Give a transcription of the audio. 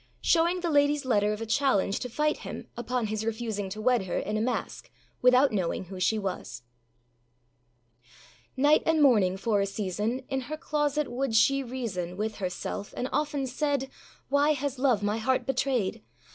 SHOWING THE LADYâS LETTER OF A CHALLENGE TO FIGHT HIM UPON HIS REFUSING TO WED HER IN A MASK, WITHOUT KNOWING WHO SHE WAS. Night and morning, for a season, In her closet would she reason With herself, and often said, âWhy has love my heart betrayed?